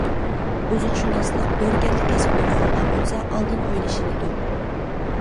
ئوزۇقشۇناسلىق، دورىگەرلىك كەسپىدە ئوقۇغانلار بولسا ئالدىن ئويلىشىلىدۇ.